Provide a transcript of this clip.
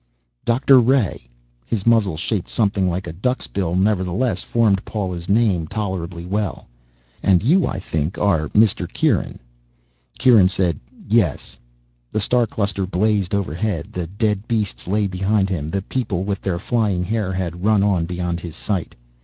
"Doctor Ray." His muzzle, shaped something like a duck's bill, nevertheless formed Paula's name tolerably well. "And you, I think, are Mr. Kieran." Kieran said, "Yes." The star cluster blazed overhead. The dead beasts lay behind him, the people with their flying hair had run on beyond his sight.